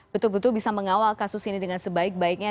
betul betul bisa mengawal kasus ini dengan sebaik baiknya